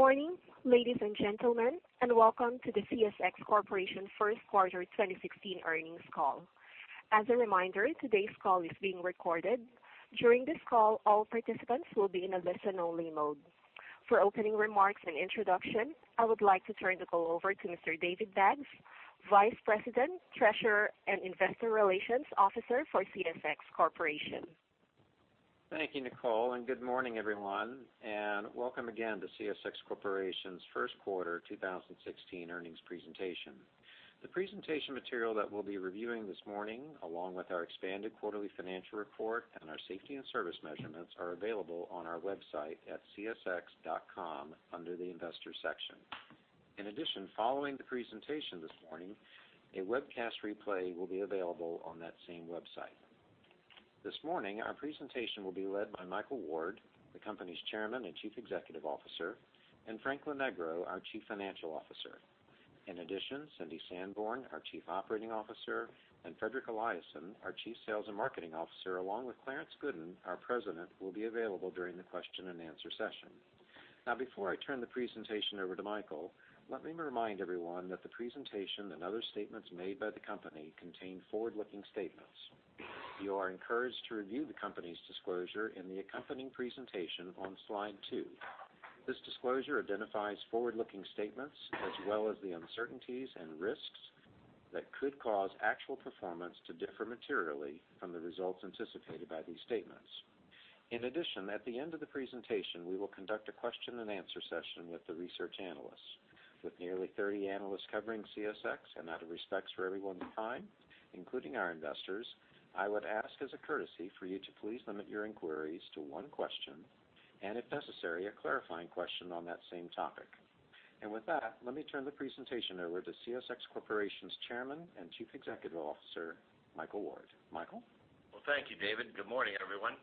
Good morning, ladies and gentlemen, and welcome to the CSX Corporation First Quarter 2016 Earnings Call. As a reminder, today's call is being recorded. During this call, all participants will be in a listen-only mode. For opening remarks and introduction, I would like to turn the call over to Mr. David Baggs, Vice President, Treasurer, and Investor Relations Officer for CSX Corporation. Thank you, Nicole, and good morning, everyone, and welcome again to CSX Corporation's First Quarter 2016 earnings presentation. The presentation material that we'll be reviewing this morning, along with our expanded quarterly financial report and our safety and service measurements, are available on our website at csx.com under the Investors section. In addition, following the presentation this morning, a webcast replay will be available on that same website. This morning, our presentation will be led by Michael Ward, the company's Chairman and Chief Executive Officer, and Frank Lonegro, our Chief Financial Officer. In addition, Cindy Sanborn, our Chief Operating Officer, and Fredrik Eliasson, our Chief Sales and Marketing Officer, along with Clarence Gooden, our President, will be available during the question-and-answer session. Now, before I turn the presentation over to Michael, let me remind everyone that the presentation and other statements made by the company contain forward-looking statements. You are encouraged to review the company's disclosure in the accompanying presentation on slide 2. This disclosure identifies forward-looking statements, as well as the uncertainties and risks that could cause actual performance to differ materially from the results anticipated by these statements. In addition, at the end of the presentation, we will conduct a question-and-answer session with the research analysts. With nearly 30 analysts covering CSX, and out of respect for everyone's time, including our investors, I would ask as a courtesy for you to please limit your inquiries to one question, and if necessary, a clarifying question on that same topic. With that, let me turn the presentation over to CSX Corporation's Chairman and Chief Executive Officer, Michael Ward. Michael? Well, thank you, David. Good morning, everyone.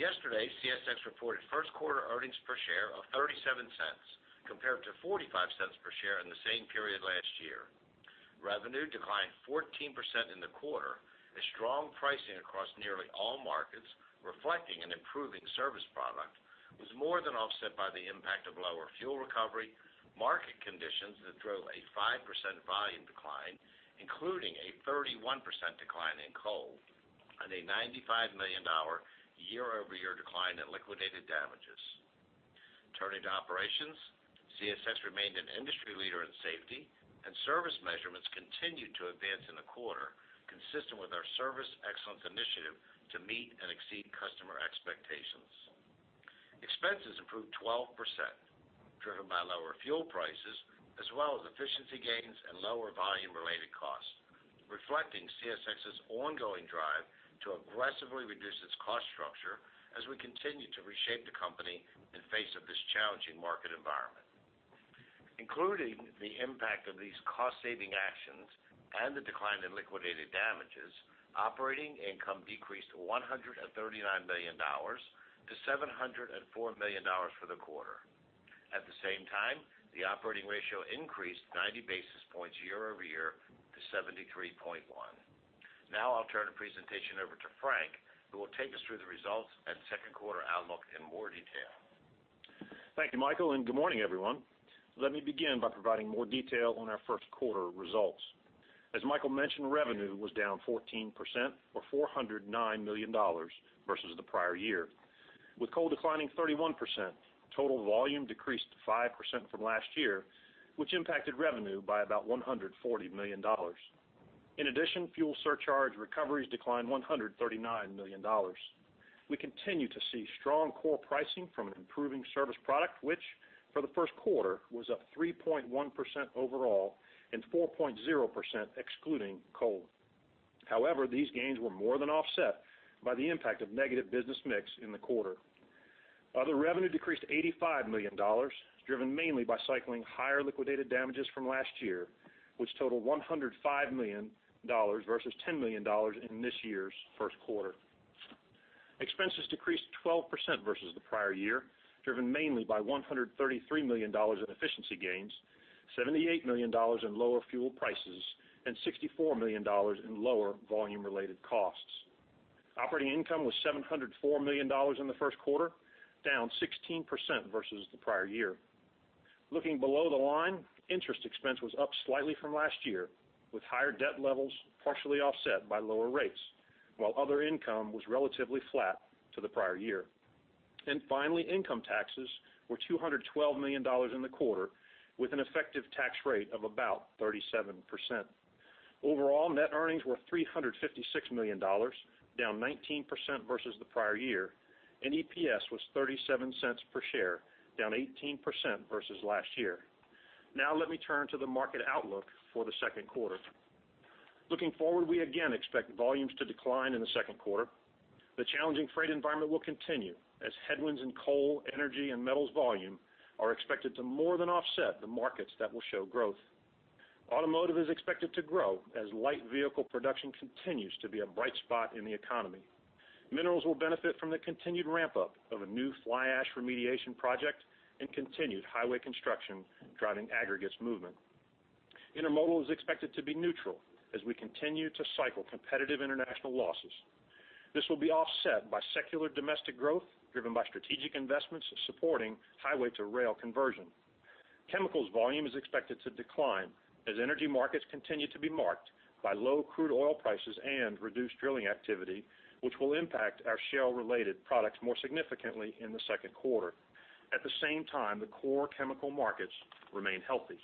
Yesterday, CSX reported first quarter earnings per share of $0.37, compared to $0.45 per share in the same period last year. Revenue declined 14% in the quarter, as strong pricing across nearly all markets, reflecting an improving service product, was more than offset by the impact of lower fuel recovery, market conditions that drove a 5% volume decline, including a 31% decline in coal and a $95 million year-over-year decline in liquidated damages. Turning to operations, CSX remained an industry leader in safety, and service measurements continued to advance in the quarter, consistent with our service excellence initiative to meet and exceed customer expectations. Expenses improved 12%, driven by lower fuel prices as well as efficiency gains and lower volume-related costs, reflecting CSX's ongoing drive to aggressively reduce its cost structure as we continue to reshape the company in face of this challenging market environment. Including the impact of these cost-saving actions and the decline in liquidated damages, operating income decreased $139 million to $704 million for the quarter. At the same time, the operating ratio increased 90 basis points year-over-year to 73.1. Now I'll turn the presentation over to Frank, who will take us through the results and second quarter outlook in more detail. Thank you, Michael, and good morning, everyone. Let me begin by providing more detail on our first quarter results. As Michael mentioned, revenue was down 14%, or $409 million, versus the prior year. With coal declining 31%, total volume decreased 5% from last year, which impacted revenue by about $140 million. In addition, fuel surcharge recoveries declined $139 million. We continue to see strong core pricing from an improving service product, which, for the first quarter, was up 3.1% overall and 4.0% excluding coal. However, these gains were more than offset by the impact of negative business mix in the quarter. Other revenue decreased $85 million, driven mainly by cycling higher liquidated damages from last year, which totaled $105 million versus $10 million in this year's first quarter. Expenses decreased 12% versus the prior year, driven mainly by $133 million in efficiency gains, $78 million in lower fuel prices, and $64 million in lower volume-related costs. Operating income was $704 million in the first quarter, down 16% versus the prior year. Looking below the line, interest expense was up slightly from last year, with higher debt levels partially offset by lower rates, while other income was relatively flat to the prior year. And finally, income taxes were $212 million in the quarter, with an effective tax rate of about 37%. Overall, net earnings were $356 million, down 19% versus the prior year, and EPS was $0.37 per share, down 18% versus last year. Now let me turn to the market outlook for the second quarter. Looking forward, we again expect volumes to decline in the second quarter. The challenging freight environment will continue as headwinds in coal, energy, and metals volume are expected to more than offset the markets that will show growth. Automotive is expected to grow as light vehicle production continues to be a bright spot in the economy. Minerals will benefit from the continued ramp-up of a new fly ash remediation project and continued highway construction, driving aggregates movement. Intermodal is expected to be neutral as we continue to cycle competitive international losses. This will be offset by secular domestic growth, driven by strategic investments supporting highway-to-rail conversion. Chemicals volume is expected to decline as energy markets continue to be marked by low crude oil prices and reduced drilling activity, which will impact our shale-related products more significantly in the second quarter. At the same time, the core chemical markets remain healthy.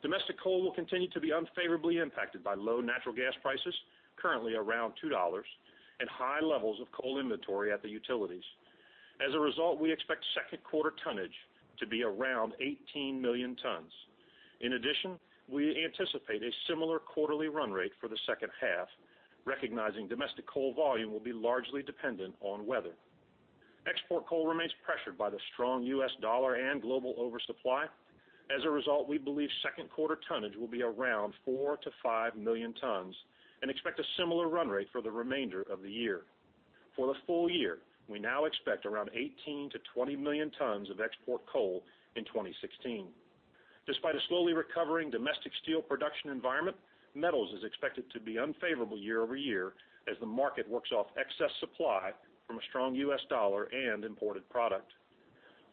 Domestic coal will continue to be unfavorably impacted by low natural gas prices, currently around $2, and high levels of coal inventory at the utilities. As a result, we expect second quarter tonnage to be around 18 million tons. In addition, we anticipate a similar quarterly run rate for the second half, recognizing domestic coal volume will be largely dependent on weather. Export coal remains pressured by the strong U.S. dollar and global oversupply. As a result, we believe second quarter tonnage will be around 4 million-5 million tons and expect a similar run rate for the remainder of the year. For the full year, we now expect around 18-20 million tons of export coal in 2016. Despite a slowly recovering domestic steel production environment, metals is expected to be unfavorable year-over-year as the market works off excess supply from a strong U.S. dollar and imported product.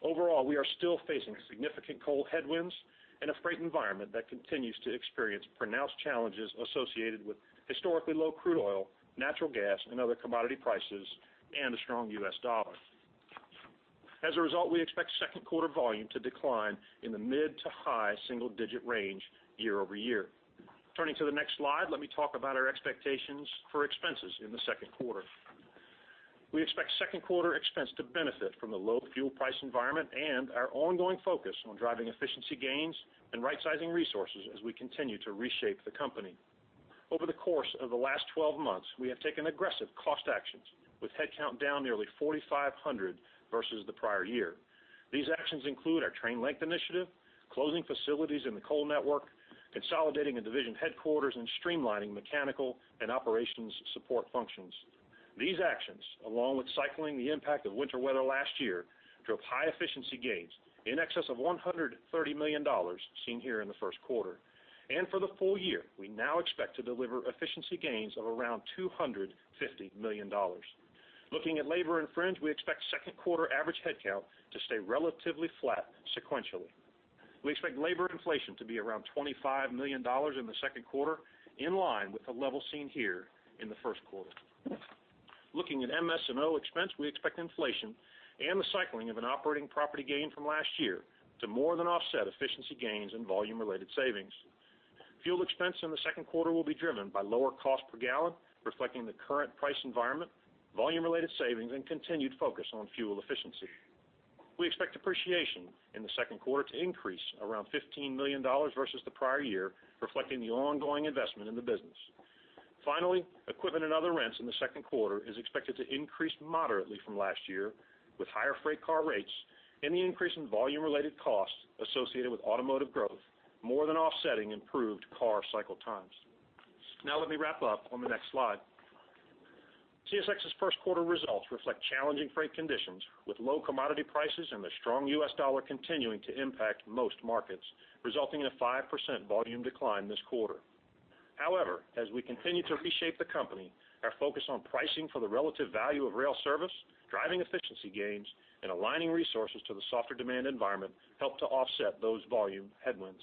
Overall, we are still facing significant coal headwinds and a freight environment that continues to experience pronounced challenges associated with historically low crude oil, natural gas, and other commodity prices, and a strong U.S. dollar. As a result, we expect second quarter volume to decline in the mid- to high single-digit range year-over-year. Turning to the next slide, let me talk about our expectations for expenses in the second quarter. We expect second quarter expense to benefit from the low fuel price environment and our ongoing focus on driving efficiency gains and rightsizing resources as we continue to reshape the company. Over the course of the last 12 months, we have taken aggressive cost actions, with headcount down nearly 4,500 versus the prior year. These actions include our train length initiative, closing facilities in the coal network, consolidating the division headquarters, and streamlining mechanical and operations support functions. These actions, along with cycling the impact of winter weather last year, drove high efficiency gains in excess of $130 million, seen here in the first quarter. And for the full year, we now expect to deliver efficiency gains of around $250 million. Looking at labor and fringe, we expect second quarter average headcount to stay relatively flat sequentially. We expect labor inflation to be around $25 million in the second quarter, in line with the level seen here in the first quarter. Looking at MS&O expense, we expect inflation and the cycling of an operating property gain from last year to more than offset efficiency gains and volume-related savings. Fuel expense in the second quarter will be driven by lower cost per gallon, reflecting the current price environment, volume-related savings, and continued focus on fuel efficiency. We expect depreciation in the second quarter to increase around $15 million versus the prior year, reflecting the ongoing investment in the business. Finally, equipment and other rents in the second quarter is expected to increase moderately from last year, with higher freight car rates and the increase in volume-related costs associated with automotive growth, more than offsetting improved car cycle times. Now let me wrap up on the next slide. CSX's first quarter results reflect challenging freight conditions, with low commodity prices and the strong U.S. dollar continuing to impact most markets, resulting in a 5% volume decline this quarter. However, as we continue to reshape the company, our focus on pricing for the relative value of rail service, driving efficiency gains, and aligning resources to the softer demand environment helped to offset those volume headwinds.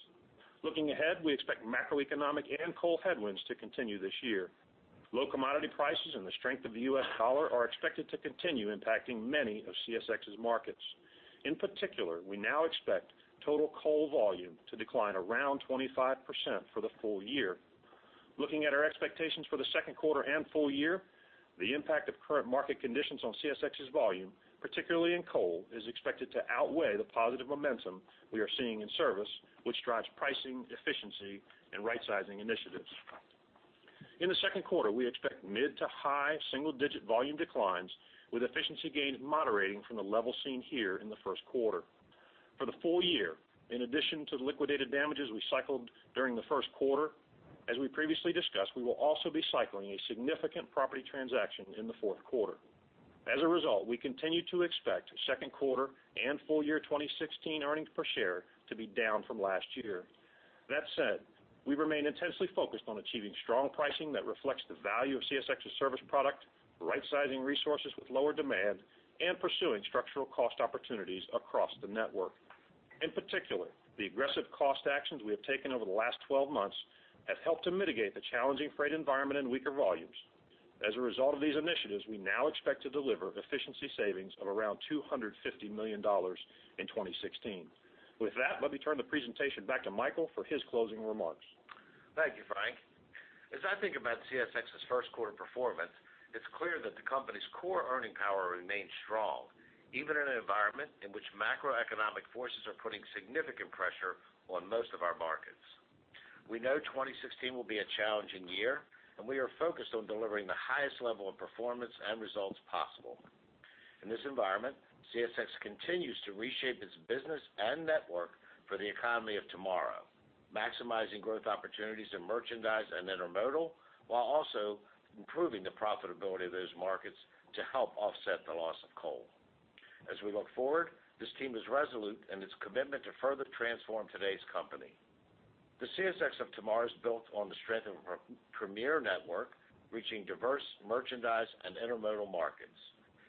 Looking ahead, we expect macroeconomic and coal headwinds to continue this year. Low commodity prices and the strength of the U.S. dollar are expected to continue impacting many of CSX's markets. In particular, we now expect total coal volume to decline around 25% for the full year. Looking at our expectations for the second quarter and full year, the impact of current market conditions on CSX's volume, particularly in coal, is expected to outweigh the positive momentum we are seeing in service, which drives pricing, efficiency, and rightsizing initiatives. In the second quarter, we expect mid- to high single-digit volume declines, with efficiency gains moderating from the level seen here in the first quarter. For the full year, in addition to the liquidated damages we cycled during the first quarter, as we previously discussed, we will also be cycling a significant property transaction in the fourth quarter. As a result, we continue to expect second quarter and full year 2016 earnings per share to be down from last year. That said, we remain intensely focused on achieving strong pricing that reflects the value of CSX's service product, rightsizing resources with lower demand, and pursuing structural cost opportunities across the network. In particular, the aggressive cost actions we have taken over the last 12 months have helped to mitigate the challenging freight environment and weaker volumes. As a result of these initiatives, we now expect to deliver efficiency savings of around $250 million in 2016. With that, let me turn the presentation back to Michael for his closing remarks. Thank you, Frank. As I think about CSX's first quarter performance, it's clear that the company's core earning power remains strong, even in an environment in which macroeconomic forces are putting significant pressure on most of our markets. We know 2016 will be a challenging year, and we are focused on delivering the highest level of performance and results possible. In this environment, CSX continues to reshape its business and network for the economy of tomorrow, maximizing growth opportunities in merchandise and intermodal, while also improving the profitability of those markets to help offset the loss of coal. ...As we look forward, this team is resolute in its commitment to further transform today's company. The CSX of tomorrow is built on the strength of our premier network, reaching diverse merchandise and intermodal markets.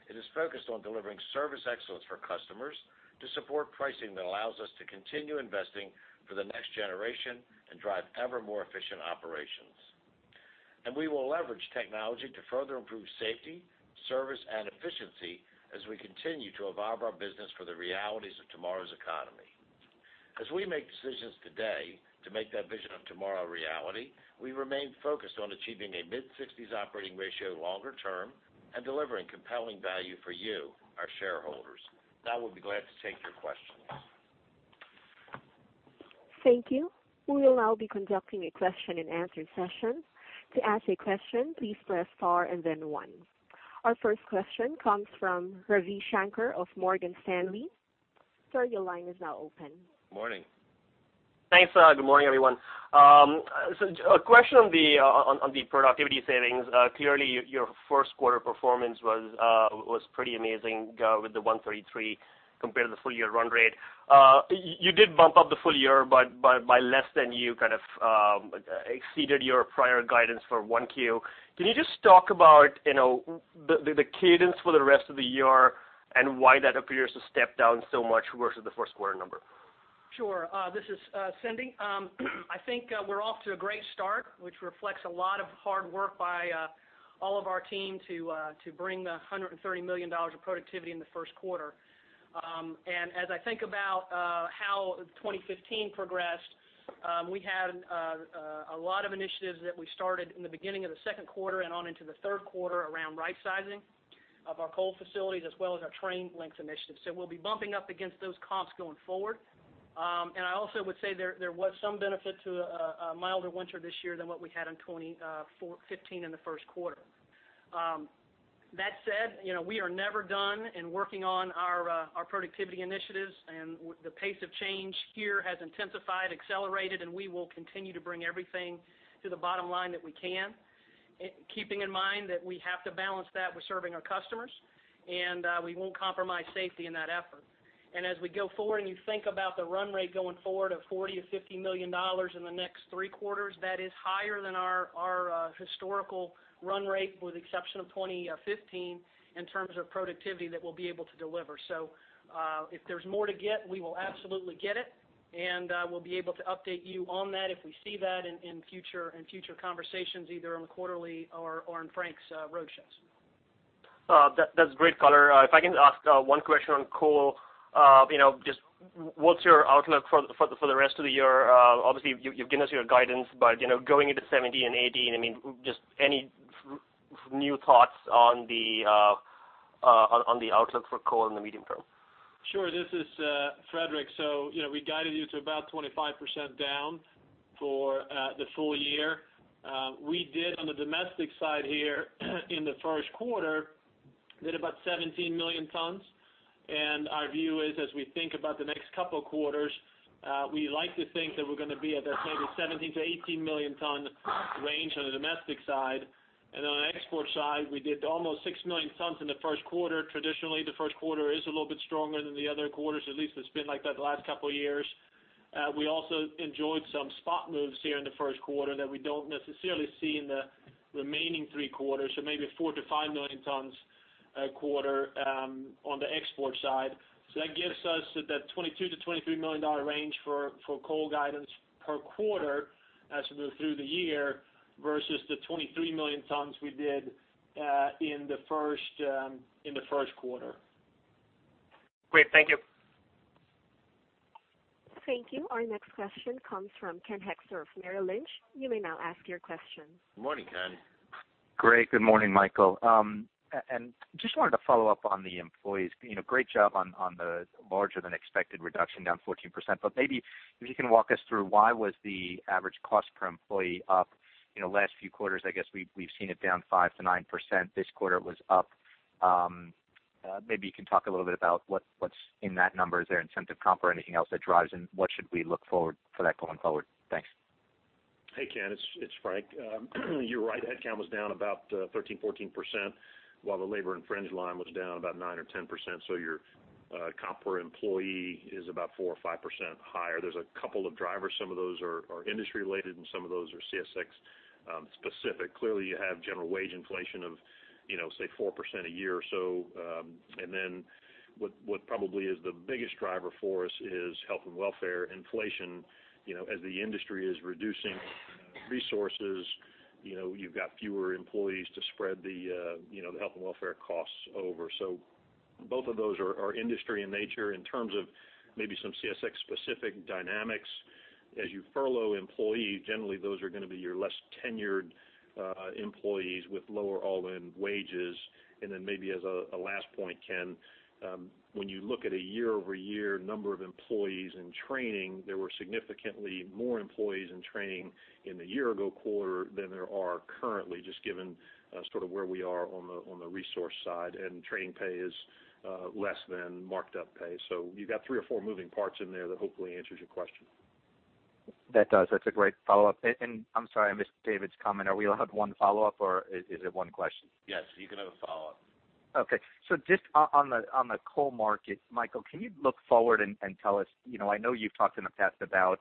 It is focused on delivering service excellence for customers to support pricing that allows us to continue investing for the next generation and drive ever more efficient operations. We will leverage technology to further improve safety, service, and efficiency as we continue to evolve our business for the realities of tomorrow's economy. As we make decisions today to make that vision of tomorrow a reality, we remain focused on achieving a mid-sixties operating ratio longer term and delivering compelling value for you, our shareholders. Now we'll be glad to take your questions. Thank you. We will now be conducting a question-and-answer session. To ask a question, please press star and then one. Our first question comes from Ravi Shanker of Morgan Stanley. Sir, your line is now open. Morning. Thanks. Good morning, everyone. So a question on the productivity savings. Clearly, your first quarter performance was pretty amazing, with the 133 compared to the full year run rate. You did bump up the full year, but by less than you kind of exceeded your prior guidance for 1Q. Can you just talk about, you know, the cadence for the rest of the year and why that appears to step down so much versus the first quarter number? Sure. This is Cindy. I think we're off to a great start, which reflects a lot of hard work by all of our team to bring the $130 million of productivity in the first quarter. As I think about how 2015 progressed, we had a lot of initiatives that we started in the beginning of the second quarter and on into the third quarter around rightsizing of our coal facilities, as well as our train length initiatives. So we'll be bumping up against those comps going forward. I also would say there was some benefit to a milder winter this year than what we had in 2014-2015 in the first quarter. That said, you know, we are never done in working on our productivity initiatives, and the pace of change here has intensified, accelerated, and we will continue to bring everything to the bottom line that we can, keeping in mind that we have to balance that with serving our customers, and we won't compromise safety in that effort. And as we go forward, and you think about the run rate going forward of $40 million-$50 million in the next three quarters, that is higher than our historical run rate, with exception of 2015, in terms of productivity that we'll be able to deliver. So, if there's more to get, we will absolutely get it, and we'll be able to update you on that if we see that in future conversations, either on the quarterly or in Frank's roadshows. That's great color. If I can ask one question on coal. You know, just what's your outlook for the rest of the year? Obviously, you've given us your guidance, but, you know, going into 2017 and 2018, I mean, just any new thoughts on the outlook for coal in the medium term? Sure. This is Fredrik. So, you know, we guided you to about 25% down for the full year. We did on the domestic side here, in the first quarter, did about 17 million tons, and our view is, as we think about the next couple of quarters, we like to think that we're gonna be at that maybe 17 million-18 million ton range on the domestic side. And on the export side, we did almost 6 million tons in the first quarter. Traditionally, the first quarter is a little bit stronger than the other quarters, at least it's been like that the last couple of years. We also enjoyed some spot moves here in the first quarter that we don't necessarily see in the remaining three quarters, so maybe 4 million-5 million tons a quarter on the export side. So that gives us that $22 million-$23 million range for coal guidance per quarter as we move through the year versus the 23 million tons we did in the first quarter. Great. Thank you. Thank you. Our next question comes from Ken Hoexter of Merrill Lynch. You may now ask your question. Morning, Ken. Great. Good morning, Michael. And just wanted to follow up on the employees. You know, great job on the larger-than-expected reduction, down 14%. But maybe if you can walk us through, why was the average cost per employee up? You know, last few quarters, I guess we've seen it down 5%-9%. This quarter it was up. Maybe you can talk a little bit about what's in that number. Is there incentive comp or anything else that drives it, and what should we look forward for that going forward? Thanks. Hey, Ken, it's Frank. You're right, headcount was down about 13%-14%, while the labor and fringe line was down about 9% or 10%. So your comp per employee is about 4% or 5% higher. There's a couple of drivers. Some of those are industry related, and some of those are CSX specific. Clearly, you have general wage inflation of, you know, say, 4% a year or so. And then what probably is the biggest driver for us is health and welfare inflation. You know, as the industry is reducing resources, you know, you've got fewer employees to spread the, you know, the health and welfare costs over. So both of those are industry in nature. In terms of maybe some CSX-specific dynamics, as you furlough employees, generally, those are gonna be your less tenured employees with lower all-in wages. And then maybe as a last point, Ken, when you look at a year-over-year number of employees in training, there were significantly more employees in training in the year ago quarter than there are currently, just given sort of where we are on the resource side, and training pay is less than marked-up pay. So you've got three or four moving parts in there. That hopefully answers your question.... That does, that's a great follow-up. And, and I'm sorry, I missed David's comment. Are we allowed one follow-up, or is, is it one question? Yes, you can have a follow-up. Okay. So just on the coal market, Michael, can you look forward and tell us, you know, I know you've talked in the past about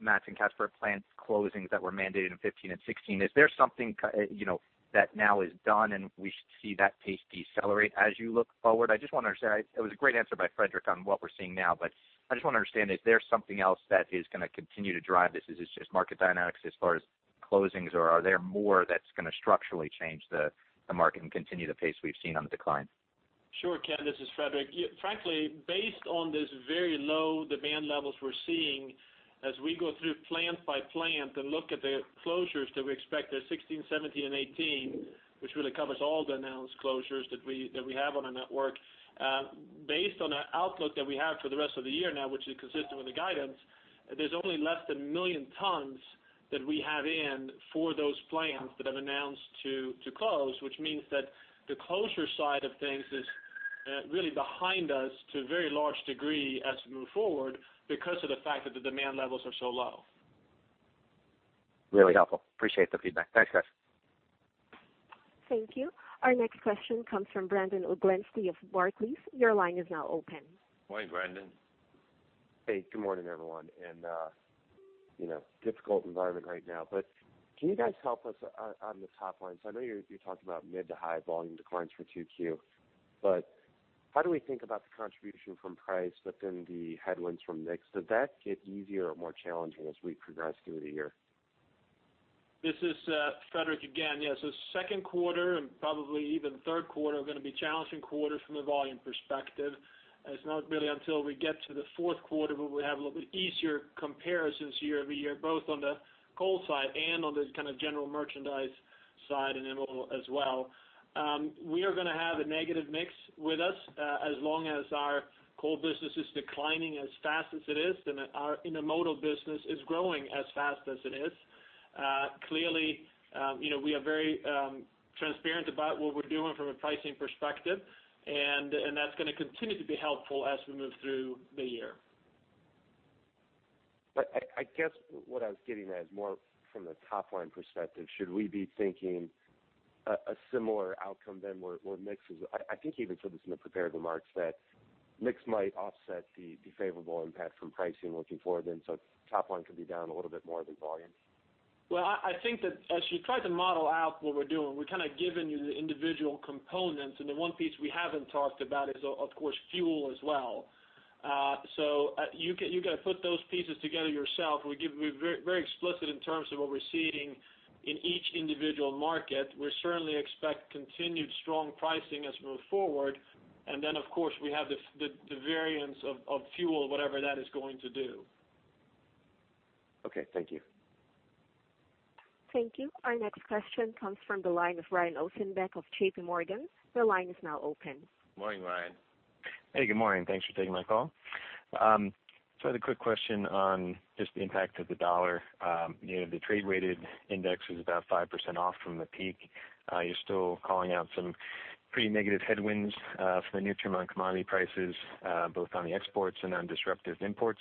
matching cash for plant closings that were mandated in 2015 and 2016. Is there something, you know, that now is done, and we should see that pace decelerate as you look forward? I just wanna understand. It was a great answer by Fredrik on what we're seeing now, but I just wanna understand, is there something else that is gonna continue to drive this? Is this just market dynamics as far as closings, or are there more that's gonna structurally change the market and continue the pace we've seen on the decline? Sure, Ken, this is Fredrik. Yeah, frankly, based on this very low demand levels we're seeing, as we go through plant by plant and look at the closures that we expect in 2016, 2017, and 2018, which really covers all the announced closures that we, that we have on our network. Based on our outlook that we have for the rest of the year now, which is consistent with the guidance, there's only less than 1 million tons that we have in for those plants that have announced to, to close, which means that the closure side of things is really behind us to a very large degree as we move forward, because of the fact that the demand levels are so low. Really helpful. Appreciate the feedback. Thanks, guys. Thank you. Our next question comes from Brandon Oglenski of Barclays. Your line is now open. Morning, Brandon. Hey, good morning, everyone, and, you know, difficult environment right now, but can you guys help us on, on the top line? So I know you, you talked about mid-to-high volume declines for 2Q. But how do we think about the contribution from price within the headwinds from mix? Does that get easier or more challenging as we progress through the year? This is, Fredrik again. Yes, so second quarter and probably even third quarter are gonna be challenging quarters from a volume perspective. It's not really until we get to the fourth quarter, where we have a little bit easier comparisons year-over-year, both on the coal side and on the kind of general merchandise side and then as well. We are gonna have a negative mix with us, as long as our coal business is declining as fast as it is, then our intermodal business is growing as fast as it is. Clearly, you know, we are very transparent about what we're doing from a pricing perspective, and, and that's gonna continue to be helpful as we move through the year. But I guess what I was getting at is more from the top-line perspective. Should we be thinking a similar outcome then, where mix is, I think you even said this in the prepared remarks, that mix might offset the favorable impact from pricing looking forward, and so top line could be down a little bit more than volume? Well, I think that as you try to model out what we're doing, we're kind of giving you the individual components, and the one piece we haven't talked about is, of course, fuel as well. So, you can put those pieces together yourself. We give you very, very explicit in terms of what we're seeing in each individual market. We certainly expect continued strong pricing as we move forward, and then, of course, we have the variance of fuel, whatever that is going to do. Okay, thank you. Thank you. Our next question comes from the line of Brian Ossenbeck of J.P. Morgan. Your line is now open. Morning, Brian. Hey, good morning. Thanks for taking my call. I had a quick question on just the impact of the U.S. dollar. You know, the trade-weighted index is about 5% off from the peak. You're still calling out some pretty negative headwinds for the near term on commodity prices, both on the exports and on disruptive imports.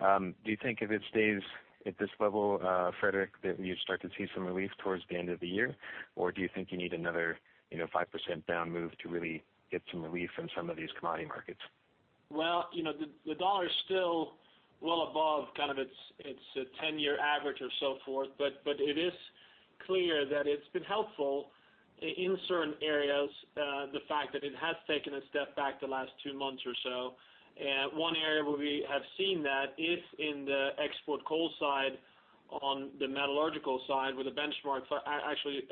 Do you think if it stays at this level, Fredrik, that you start to see some relief towards the end of the year? Or do you think you need another, you know, 5% down move to really get some relief from some of these commodity markets? Well, you know, the dollar is still well above kind of its ten-year average or so forth, but it is clear that it's been helpful in certain areas, the fact that it has taken a step back the last two months or so. One area where we have seen that is in the export coal side, on the metallurgical side, where the benchmark actually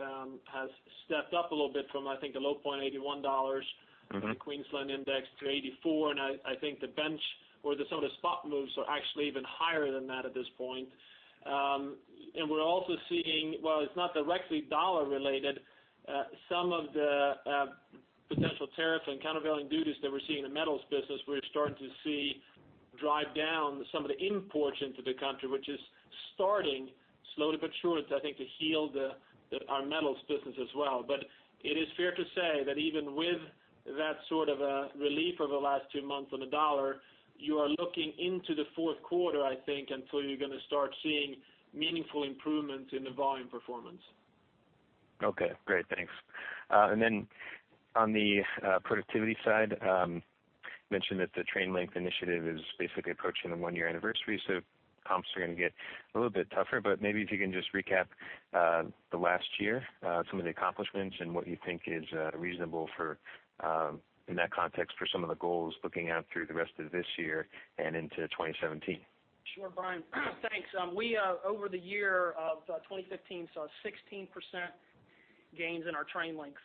has stepped up a little bit from, I think, a low point, $81- Mm-hmm. For the Queensland index to 84. And I think the benchmark or some of the spot moves are actually even higher than that at this point. And we're also seeing, while it's not directly dollar related, some of the potential tariff and countervailing duties that we're seeing in the metals business. We're starting to see drive down some of the imports into the country, which is starting slowly but surely, I think, to heal our metals business as well. But it is fair to say that even with that sort of a relief over the last two months on the dollar, you are looking into the fourth quarter, I think, until you're gonna start seeing meaningful improvements in the volume performance. Okay, great. Thanks. And then on the productivity side, you mentioned that the Train length initiative is basically approaching a one-year anniversary, so comps are gonna get a little bit tougher. But maybe if you can just recap the last year, some of the accomplishments and what you think is reasonable for, in that context, for some of the goals looking out through the rest of this year and into 2017? Sure, Brian. Thanks. We over the year of 2015 saw 16% gains in our train length,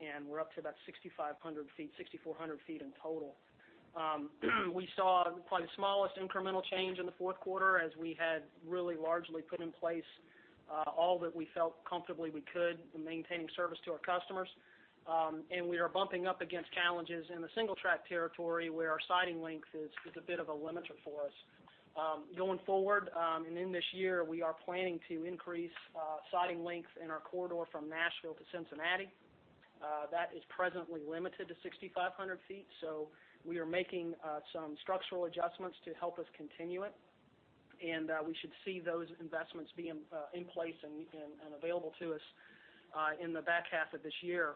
and we're up to about 6,500 feet, 6,400 feet in total. We saw probably the smallest incremental change in the fourth quarter, as we had really largely put in place all that we felt comfortably we could in maintaining service to our customers. We are bumping up against challenges in the single track territory, where our siding length is a bit of a limiter for us. Going forward, and in this year, we are planning to increase siding length in our corridor from Nashville to Cincinnati. That is presently limited to 6,500 feet, so we are making some structural adjustments to help us continue it, and we should see those investments being in place and available to us in the back half of this year.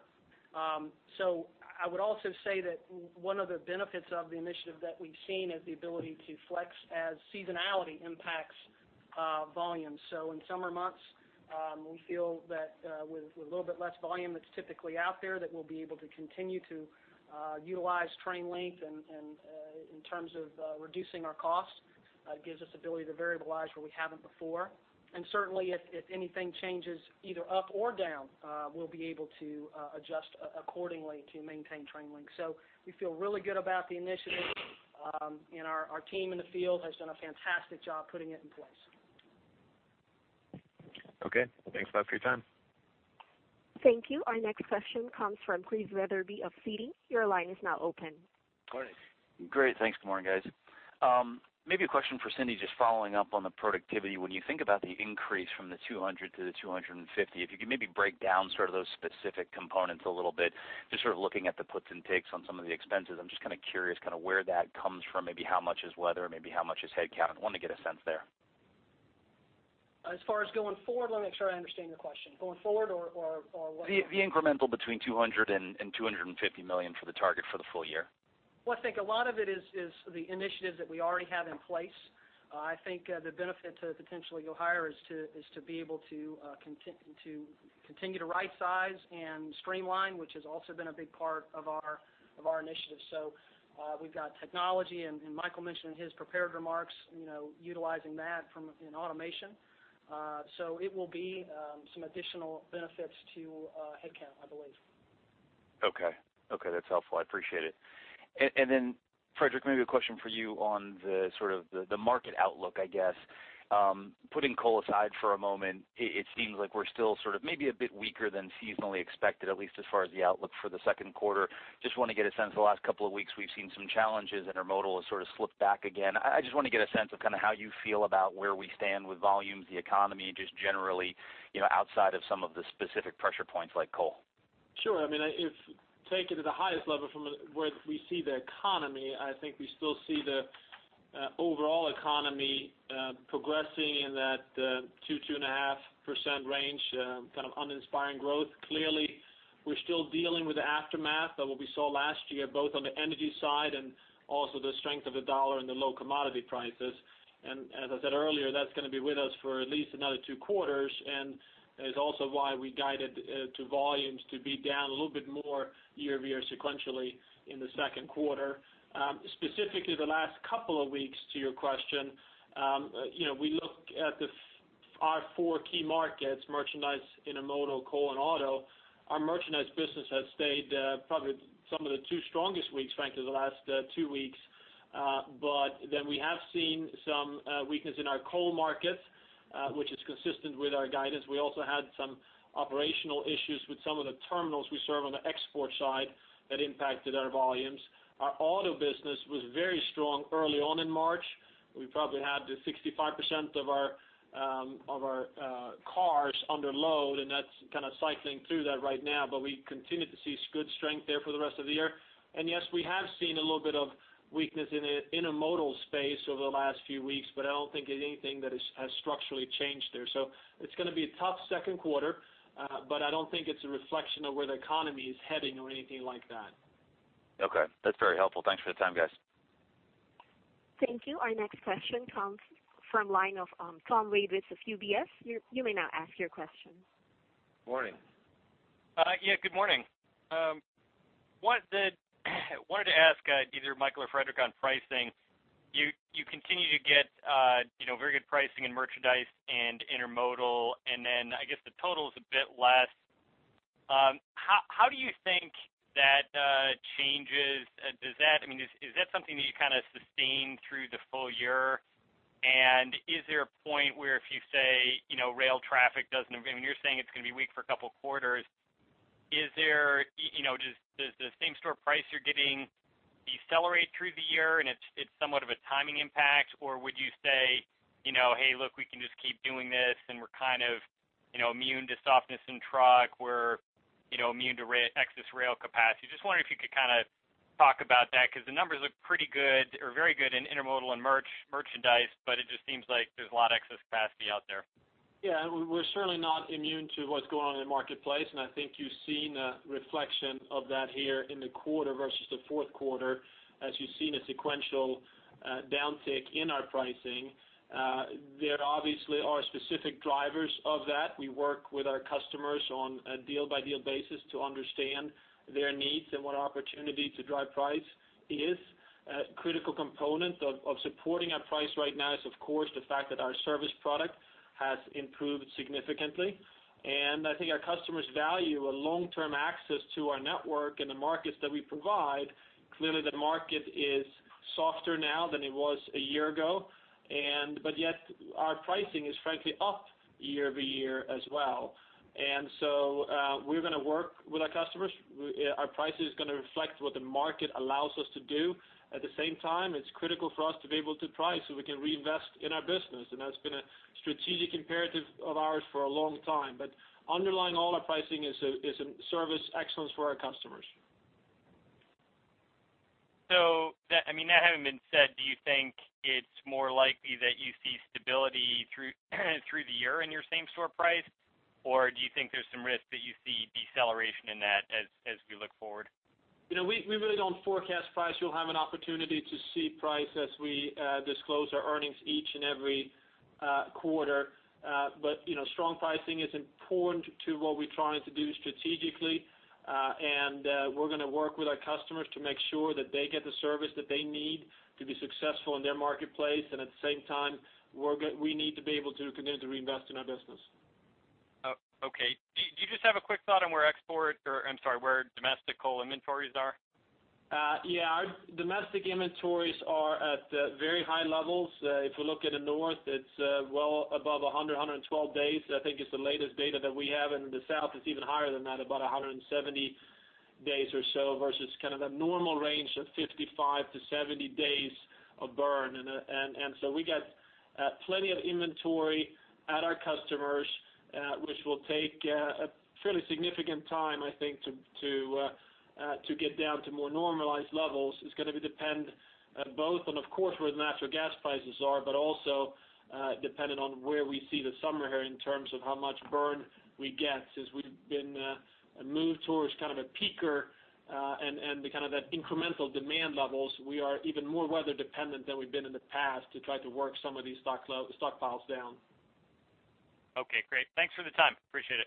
So I would also say that one of the benefits of the initiative that we've seen is the ability to flex as seasonality impacts volume. So in summer months, we feel that with a little bit less volume that's typically out there, that we'll be able to continue to utilize train length and in terms of reducing our costs, gives us ability to variabilize where we haven't before. And certainly, if anything changes, either up or down, we'll be able to adjust accordingly to maintain train length. We feel really good about the initiative, and our team in the field has done a fantastic job putting it in place. Okay. Thanks a lot for your time. Thank you. Our next question comes from Chris Wetherbee of Citi. Your line is now open. Morning. Great. Thanks. Good morning, guys. Maybe a question for Cindy, just following up on the productivity. When you think about the increase from the 200 to the 250, if you could maybe break down sort of those specific components a little bit, just sort of looking at the puts and takes on some of the expenses. I'm just kind of curious, kind of where that comes from, maybe how much is weather, maybe how much is headcount? I want to get a sense there. As far as going forward, let me make sure I understand your question. Going forward, or, or, or what? The incremental between $200 million and $250 million for the target for the full year. Well, I think a lot of it is the initiatives that we already have in place. I think the benefit to potentially go higher is to be able to continue to rightsize and streamline, which has also been a big part of our initiative. So, we've got technology, and Michael mentioned in his prepared remarks, you know, utilizing that in automation. So it will be some additional benefits to headcount, I believe. Okay. Okay, that's helpful. I appreciate it. And then, Fredrik, maybe a question for you on the sort of market outlook, I guess. Putting coal aside for a moment, it seems like we're still sort of maybe a bit weaker than seasonally expected, at least as far as the outlook for the second quarter. Just want to get a sense of the last couple of weeks, we've seen some challenges, intermodal has sort of slipped back again. I just want to get a sense of kind of how you feel about where we stand with volumes, the economy, just generally, you know, outside of some of the specific pressure points like coal. Sure. I mean, if taken to the highest level from where we see the economy, I think we still see the overall economy progressing in that 2%-2.5% range, kind of uninspiring growth. Clearly, we're still dealing with the aftermath of what we saw last year, both on the energy side and also the strength of the dollar and the low commodity prices. As I said earlier, that's gonna be with us for at least another two quarters, and is also why we guided to volumes to be down a little bit more year-over-year, sequentially in the second quarter. Specifically, the last couple of weeks, to your question, you know, we look at our four key markets, merchandise, intermodal, coal, and auto. Our merchandise business has stayed, probably some of the two strongest weeks, frankly, the last two weeks. But then we have seen some weakness in our coal markets, which is consistent with our guidance. We also had some operational issues with some of the terminals we serve on the export side that impacted our volumes. Our auto business was very strong early on in March. We probably had 65% of our, of our, cars under load, and that's kind of cycling through that right now, but we continue to see good strength there for the rest of the year. And yes, we have seen a little bit of weakness in the intermodal space over the last few weeks, but I don't think anything that is has structurally changed there. It's gonna be a tough second quarter, but I don't think it's a reflection of where the economy is heading or anything like that. Okay. That's very helpful. Thanks for the time, guys. Thank you. Our next question comes from line of Tom Wadewitz with UBS. You may now ask your question. Morning. Yeah, good morning. Wanted to ask either Michael or Fredrik on pricing. You continue to get, you know, very good pricing in merchandise and intermodal, and then I guess the total is a bit less. How do you think that changes? Does that—I mean, is that something that you kind of sustain through the full year? And is there a point where if you say, you know, rail traffic doesn't—I mean, you're saying it's gonna be weak for a couple of quarters. Is there, you know, does the same store price you're getting decelerate through the year and it's somewhat of a timing impact? Or would you say, you know, "Hey, look, we can just keep doing this, and we're kind of, you know, immune to softness in truck. We're, you know, immune to rail excess capacity." Just wondering if you could kind of talk about that, because the numbers look pretty good or very good in intermodal and merchandise, but it just seems like there's a lot of excess capacity out there. Yeah, we're certainly not immune to what's going on in the marketplace, and I think you've seen a reflection of that here in the quarter versus the fourth quarter, as you've seen a sequential downtick in our pricing. There obviously are specific drivers of that. We work with our customers on a deal-by-deal basis to understand their needs and what opportunity to drive price is. A critical component of supporting our price right now is, of course, the fact that our service product has improved significantly, and I think our customers value a long-term access to our network and the markets that we provide. Clearly, the market is softer now than it was a year ago, and but yet, our pricing is frankly up year-over-year as well. And so, we're gonna work with our customers. Our pricing is gonna reflect what the market allows us to do. At the same time, it's critical for us to be able to price so we can reinvest in our business, and that's been a strategic imperative of ours for a long time. But underlying all our pricing is a service excellence for our customers.... So that, I mean, that having been said, do you think it's more likely that you see stability through the year in your same-store price? Or do you think there's some risk that you see deceleration in that as we look forward? You know, we really don't forecast price. You'll have an opportunity to see price as we disclose our earnings each and every quarter. But, you know, strong pricing is important to what we're trying to do strategically. And we're gonna work with our customers to make sure that they get the service that they need to be successful in their marketplace. And at the same time, we need to be able to continue to reinvest in our business. Oh, okay. Do you just have a quick thought on where export, or I'm sorry, where domestic coal inventories are? Yeah, our domestic inventories are at very high levels. If we look at the north, it's well above 112 days, I think is the latest data that we have. In the south, it's even higher than that, about 170 days or so, versus kind of a normal range of 55 days-70 days of burn. So we got plenty of inventory at our customers, which will take a fairly significant time, I think, to get down to more normalized levels. It's gonna be depend both on, of course, where the natural gas prices are, but also dependent on where we see the summer here in terms of how much burn we get. Since we've been moved towards kind of a peaker, and the kind of that incremental demand levels, we are even more weather dependent than we've been in the past to try to work some of these stockpiles down. Okay, great. Thanks for the time. Appreciate it.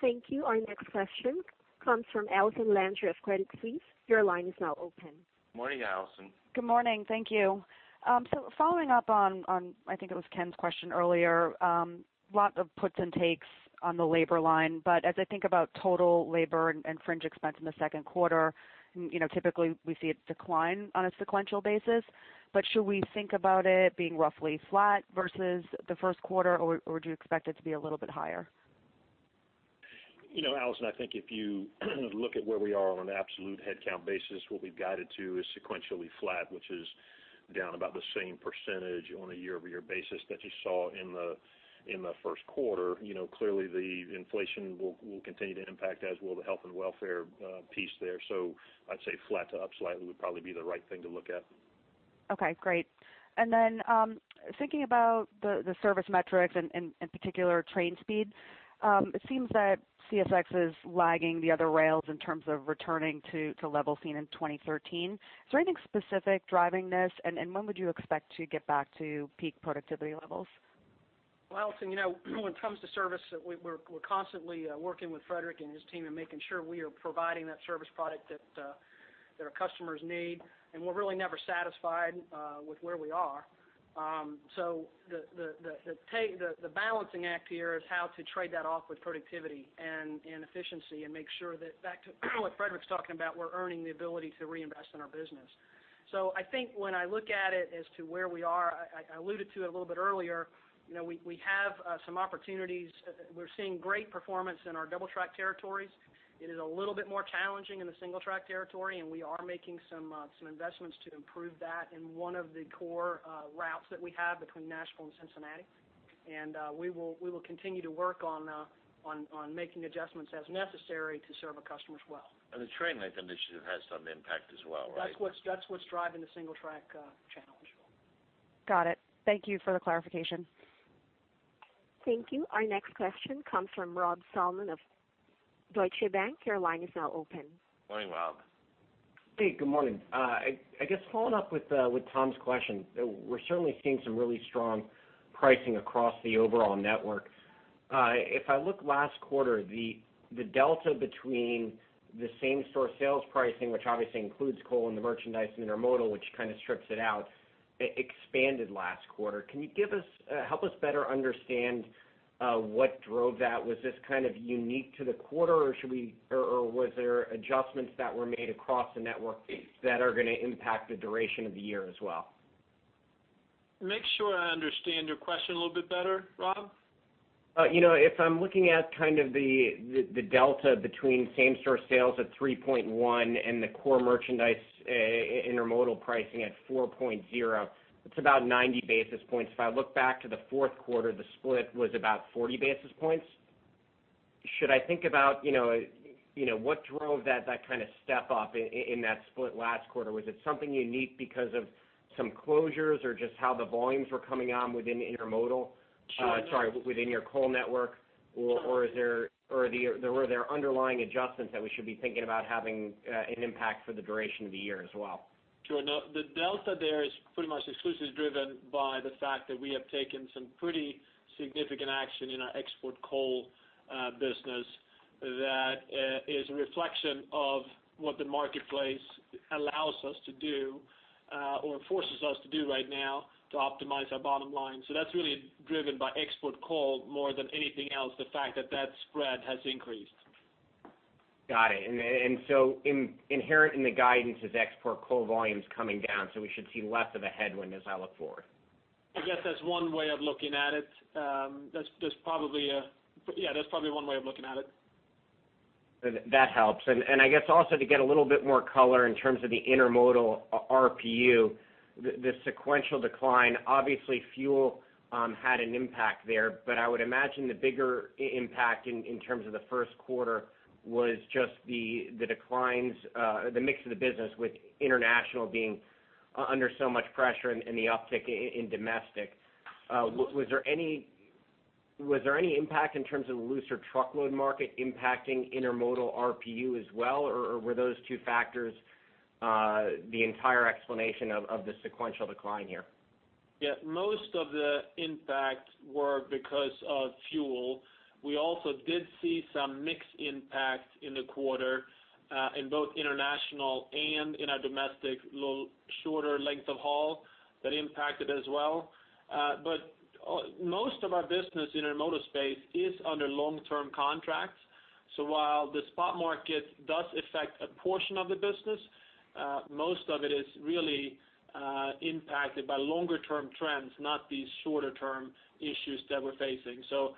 Thank you. Our next question comes from Allison Landry of Credit Suisse. Your line is now open. Morning, Allison. Good morning. Thank you. So following up on, on, I think it was Ken's question earlier, lots of puts and takes on the labor line. But as I think about total labor and fringe expense in the second quarter, you know, typically, we see it decline on a sequential basis. But should we think about it being roughly flat versus the first quarter, or do you expect it to be a little bit higher? You know, Allison, I think if you look at where we are on an absolute headcount basis, what we've guided to is sequentially flat, which is down about the same percentage on a year-over-year basis that you saw in the first quarter. You know, clearly, the inflation will continue to impact, as will the health and welfare piece there. So I'd say flat to up slightly would probably be the right thing to look at. Okay, great. And then, thinking about the service metrics and in particular, train speed, it seems that CSX is lagging the other rails in terms of returning to levels seen in 2013. Is there anything specific driving this, and when would you expect to get back to peak productivity levels? Well, Allison, you know, when it comes to service, we're constantly working with Fredrik and his team and making sure we are providing that service product that our customers need, and we're really never satisfied with where we are. So the balancing act here is how to trade that off with productivity and efficiency and make sure that back to what Fredrik's talking about, we're earning the ability to reinvest in our business. So I think when I look at it as to where we are, I alluded to it a little bit earlier, you know, we have some opportunities. We're seeing great performance in our double track territories. It is a little bit more challenging in the single track territory, and we are making some investments to improve that in one of the core routes that we have between Nashville and Cincinnati. We will continue to work on making adjustments as necessary to serve our customers well. The train length initiative has some impact as well, right? That's what's driving the single track challenge. Got it. Thank you for the clarification. Thank you. Our next question comes from Robert Salmon of Deutsche Bank. Your line is now open. Morning, Rob. Hey, good morning. I guess following up with Tom's question, we're certainly seeing some really strong pricing across the overall network. If I look last quarter, the delta between the same-store sales pricing, which obviously includes coal and the merchandise intermodal, which kind of strips it out, expanded last quarter. Can you give us, help us better understand, what drove that? Was this kind of unique to the quarter, or should we, or was there adjustments that were made across the network that are gonna impact the duration of the year as well? Make sure I understand your question a little bit better, Rob. You know, if I'm looking at kind of the delta between same-store sales at 3.1 and the core merchandise, intermodal pricing at 4.0, it's about 90 basis points. If I look back to the fourth quarter, the split was about 40 basis points. Should I think about, you know, you know, what drove that, that kind of step up in that split last quarter? Was it something unique because of some closures or just how the volumes were coming on within the intermodal? Sure. Sorry, within your coal network, or is there, or were there underlying adjustments that we should be thinking about having an impact for the duration of the year as well? Sure. No, the delta there is pretty much exclusively driven by the fact that we have taken some pretty significant action in our export coal business. That is a reflection of what the marketplace allows us to do or forces us to do right now to optimize our bottom line. So that's really driven by export coal more than anything else, the fact that that spread has increased. Got it. And so inherent in the guidance is export coal volumes coming down, so we should see less of a headwind as I look forward. I guess that's one way of looking at it. That's probably, yeah, that's probably one way of looking at it. That helps. I guess also to get a little bit more color in terms of the intermodal RPU. The sequential decline, obviously, fuel had an impact there. But I would imagine the bigger impact in terms of the first quarter was just the declines, the mix of the business with international being under so much pressure and the uptick in domestic. Was there any impact in terms of the looser truckload market impacting intermodal RPU as well? Or were those two factors the entire explanation of the sequential decline here? Yeah, most of the impacts were because of fuel. We also did see some mix impact in the quarter, in both international and in our domestic, little shorter length of haul that impacted as well. But, most of our business in our intermodal space is under long-term contracts. So while the spot market does affect a portion of the business, most of it is really, impacted by longer term trends, not these shorter term issues that we're facing. So,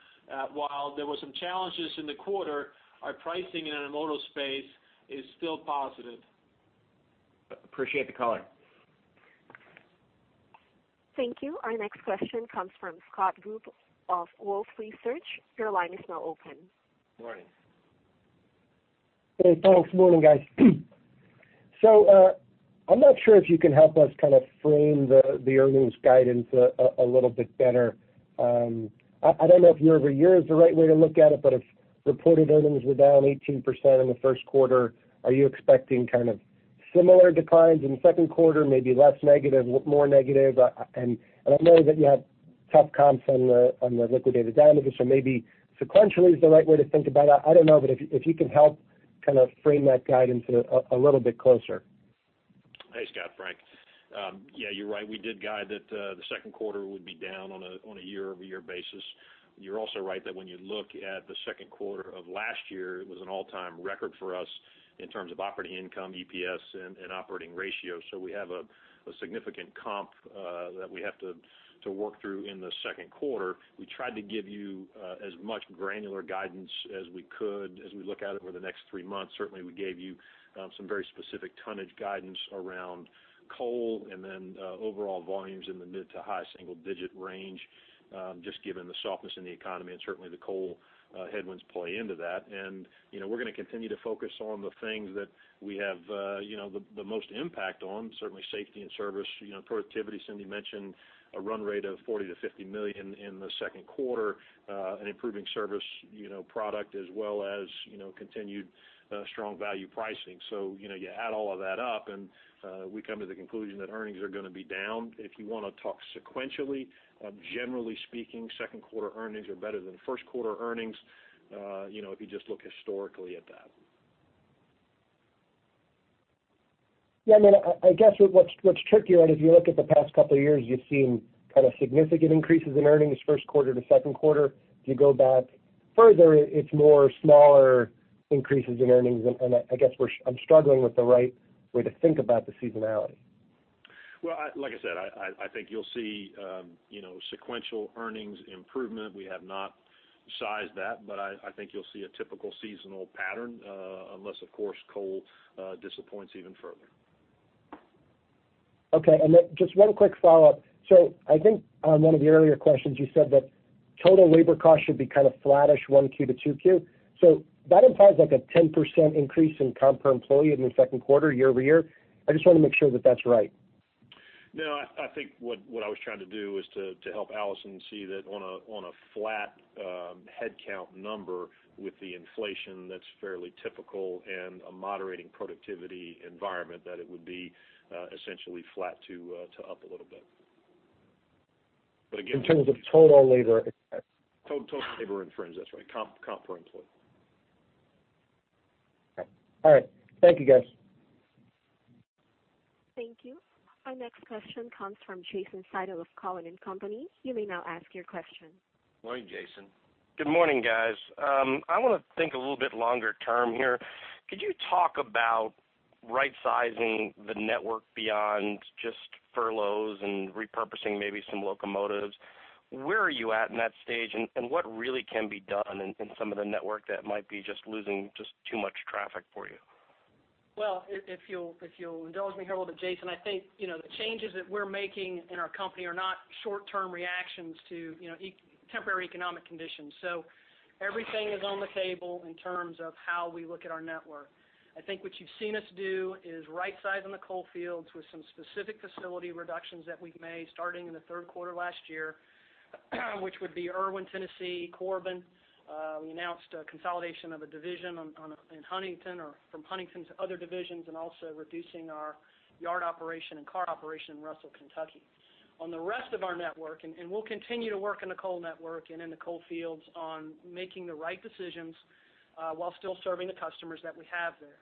while there were some challenges in the quarter, our pricing in intermodal space is still positive. Appreciate the color. Thank you. Our next question comes from Scott Group of Wolfe Research. Your line is now open. Good morning. Hey, folks. Morning, guys. So, I'm not sure if you can help us kind of frame the earnings guidance a little bit better. I don't know if year-over-year is the right way to look at it, but if reported earnings were down 18% in the first quarter, are you expecting kind of similar declines in the second quarter, maybe less negative, more negative? And I know that you have tough comps on the liquidated damages, so maybe sequentially is the right way to think about that. I don't know, but if you can help kind of frame that guidance a little bit closer. Hey, Scott. Frank. Yeah, you're right. We did guide that the second quarter would be down on a year-over-year basis. You're also right that when you look at the second quarter of last year, it was an all-time record for us in terms of operating income, EPS, and operating ratios. So we have a significant comp that we have to work through in the second quarter. We tried to give you as much granular guidance as we could as we look at it over the next three months. Certainly, we gave you some very specific tonnage guidance around coal and then overall volumes in the mid- to high-single-digit range, just given the softness in the economy, and certainly, the coal headwinds play into that. You know, we're going to continue to focus on the things that we have, you know, the most impact on, certainly safety and service, you know, productivity. Cindy mentioned a run rate of $40 million-$50 million in the second quarter, an improving service, you know, product, as well as, you know, continued, strong value pricing. So, you know, you add all of that up, and, we come to the conclusion that earnings are going to be down. If you want to talk sequentially, generally speaking, second quarter earnings are better than first quarter earnings, you know, if you just look historically at that. Yeah, I mean, I guess what's tricky about it, if you look at the past couple of years, you've seen kind of significant increases in earnings first quarter to second quarter. If you go back further, it's more smaller increases in earnings. And I guess I'm struggling with the right way to think about the seasonality. Well, like I said, I think you'll see, you know, sequential earnings improvement. We have not sized that, but I think you'll see a typical seasonal pattern, unless, of course, coal disappoints even further. Okay, and then just one quick follow-up. So I think on one of the earlier questions, you said that total labor costs should be kind of flattish 1Q to 2Q. So that implies like a 10% increase in comp per employee in the second quarter, year-over-year. I just want to make sure that that's right. No, I think what I was trying to do is to help Allison see that on a flat headcount number with the inflation that's fairly typical and a moderating productivity environment, that it would be essentially flat to up a little bit. But again- In terms of total labor expense? Total, total labor and fringe, that's right. Comp, comp per employee. Okay. All right. Thank you, guys. Thank you. Our next question comes from Jason Seidel of Cowen and Company. You may now ask your question. Morning, Jason. Good morning, guys. I want to think a little bit longer term here. Could you talk about rightsizing the network beyond just furloughs and repurposing maybe some locomotives? Where are you at in that stage, and what really can be done in some of the network that might be just losing just too much traffic for you? Well, if you'll indulge me here a little bit, Jason, I think, you know, the changes that we're making in our company are not short-term reactions to, you know, temporary economic conditions. So everything is on the table in terms of how we look at our network. I think what you've seen us do is rightsizing in the coal fields with some specific facility reductions that we've made starting in the third quarter last year, which would be Erwin, Tennessee, Corbin. We announced a consolidation of a division in Huntington or from Huntington to other divisions, and also reducing our yard operation and car operation in Russell, Kentucky. On the rest of our network, and we'll continue to work in the coal network and in the coal fields on making the right decisions, while still serving the customers that we have there.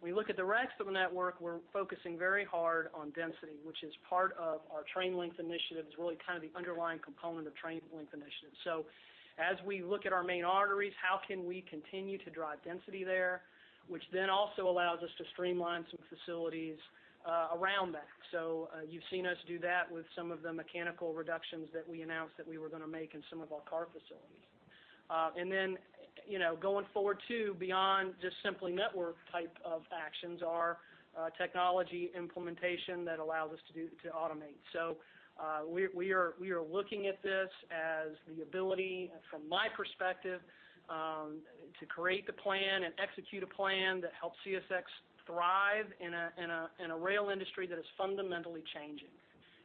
When we look at the rest of the network, we're focusing very hard on density, which is part of our Train length initiative. It's really kind of the underlying component of Train length initiative. So as we look at our main arteries, how can we continue to drive density there, which then also allows us to streamline some facilities, around that. So, you've seen us do that with some of the mechanical reductions that we announced that we were going to make in some of our car facilities.... and then, you know, going forward, too, beyond just simply network type of actions are, technology implementation that allows us to do, to automate. So, we are looking at this as the ability, from my perspective, to create the plan and execute a plan that helps CSX thrive in a rail industry that is fundamentally changing.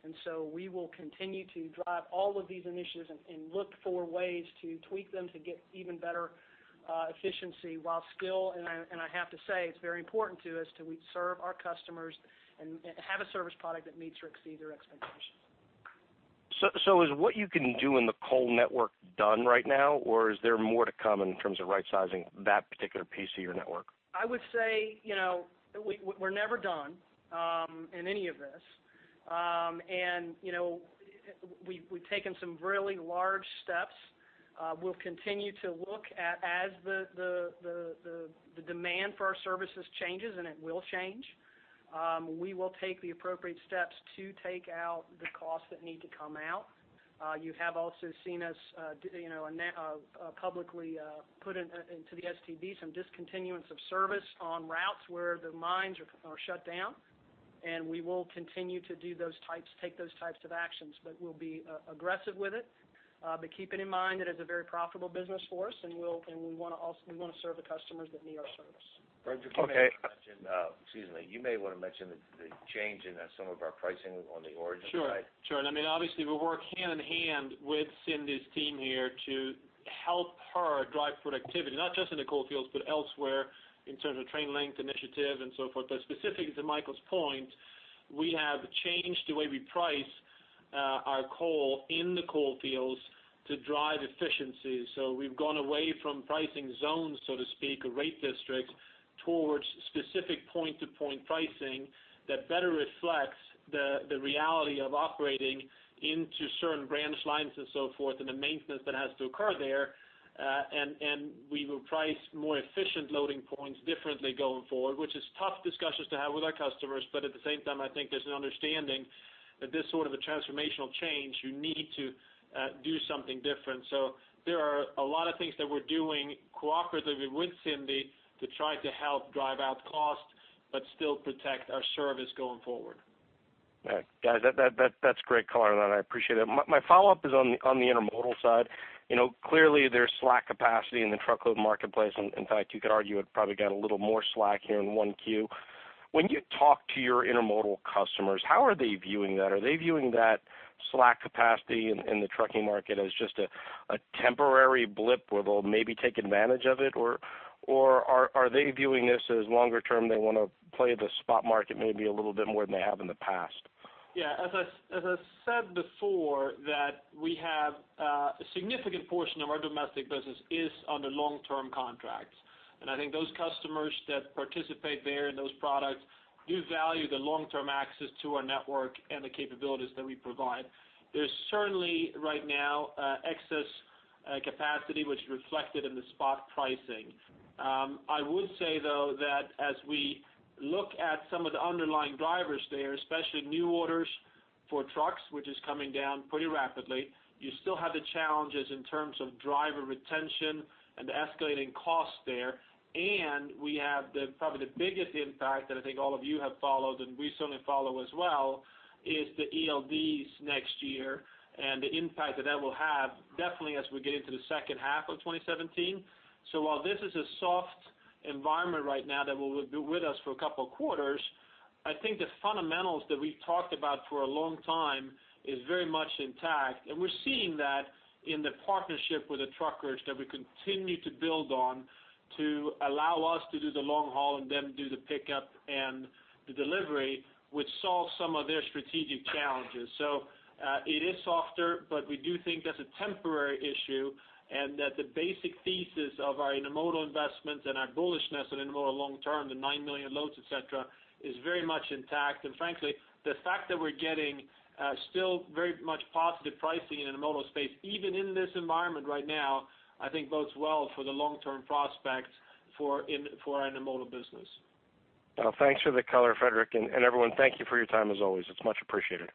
And so we will continue to drive all of these initiatives and look for ways to tweak them to get even better efficiency while still, and I have to say, it's very important to us that we serve our customers and have a service product that meets or exceeds their expectations. So, is what you can do in the coal network done right now, or is there more to come in terms of rightsizing that particular piece of your network? I would say, you know, we're never done in any of this. And, you know, we've taken some really large steps. We'll continue to look at as the demand for our services changes, and it will change, we will take the appropriate steps to take out the costs that need to come out. You have also seen us, you know, publicly put into the STB some discontinuance of service on routes where the mines are shut down, and we will continue to take those types of actions, but we'll be aggressive with it. But keeping in mind that it's a very profitable business for us, and we want to also serve the customers that need our service. Okay- Fredrik, you may want to mention the change in some of our pricing on the origin side. Sure, sure. And I mean, obviously, we work hand in hand with Cindy's team here to help her drive productivity, not just in the coal fields, but elsewhere in terms of train length initiative and so forth. But specific to Michael's point, we have changed the way we price our coal in the coal fields to drive efficiency. So we've gone away from pricing zones, so to speak, or rate districts, towards specific point-to-point pricing that better reflects the reality of operating into certain branch lines and so forth, and the maintenance that has to occur there. And we will price more efficient loading points differently going forward, which is tough discussions to have with our customers, but at the same time, I think there's an understanding that this sort of a transformational change, you need to do something different. There are a lot of things that we're doing cooperatively with Cindy to try to help drive out costs, but still protect our service going forward. Right. Guys, that's great color, and I appreciate it. My follow-up is on the intermodal side. You know, clearly, there's slack capacity in the truckload marketplace, and in fact, you could argue it probably got a little more slack here in 1Q. When you talk to your intermodal customers, how are they viewing that? Are they viewing that slack capacity in the trucking market as just a temporary blip, where they'll maybe take advantage of it, or are they viewing this as longer term, they want to play the spot market maybe a little bit more than they have in the past? Yeah, as I said before, that we have a significant portion of our domestic business is under long-term contracts. And I think those customers that participate there in those products do value the long-term access to our network and the capabilities that we provide. There's certainly, right now, excess capacity, which is reflected in the spot pricing. I would say, though, that as we look at some of the underlying drivers there, especially new orders for trucks, which is coming down pretty rapidly, you still have the challenges in terms of driver retention and escalating costs there. And we have the, probably the biggest impact that I think all of you have followed, and we certainly follow as well, is the ELDs next year and the impact that that will have definitely as we get into the second half of 2017. So while this is a soft environment right now that will be with us for a couple of quarters, I think the fundamentals that we've talked about for a long time is very much intact. And we're seeing that in the partnership with the truckers that we continue to build on to allow us to do the long haul and them do the pickup and the delivery, which solves some of their strategic challenges. So, it is softer, but we do think that's a temporary issue and that the basic thesis of our intermodal investments and our bullishness on intermodal long term, the 9 million loads, et cetera, is very much intact. And frankly, the fact that we're getting still very much positive pricing in intermodal space, even in this environment right now, I think bodes well for the long-term prospects for our intermodal business. Well, thanks for the color, Fredrik. And, and everyone, thank you for your time as always. It's much appreciated.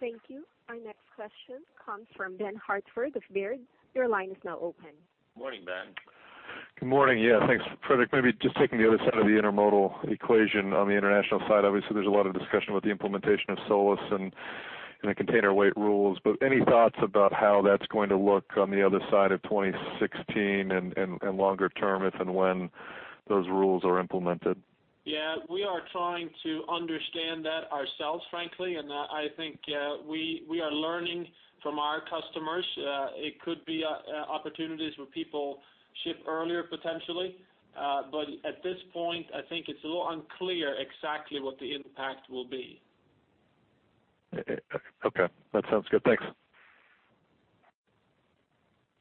Thank you. Our next question comes from Ben Hartford of Baird. Your line is now open. Morning, Ben. Good morning. Yeah, thanks, Fredrik. Maybe just taking the other side of the intermodal equation on the international side, obviously, there's a lot of discussion about the implementation of SOLAS and the container weight rules, but any thoughts about how that's going to look on the other side of 2016 and longer term, if and when those rules are implemented? Yeah, we are trying to understand that ourselves, frankly, and, I think, we are learning from our customers. It could be opportunities where people ship earlier, potentially. But at this point, I think it's a little unclear exactly what the impact will be. Okay, that sounds good. Thanks.